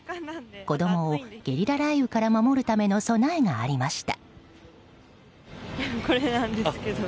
子供をゲリラ雷雨から守るための備えがありました。